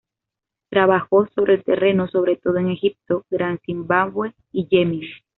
Trabajó sobre el terreno sobre todo en Egipto, Gran Zimbabue y Yemen.